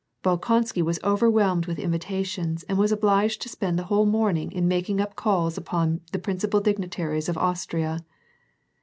Bolkonsky was overwhelmed with invitations, and was obliged to spend the whole morning in making calls upon the principal digni taries of Austria.